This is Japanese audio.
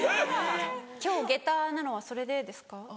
今日げたなのはそれでですか？